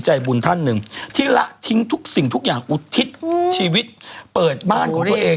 ใจบุญท่านหนึ่งที่ละทิ้งทุกสิ่งทุกอย่างอุทิศชีวิตเปิดบ้านของตัวเอง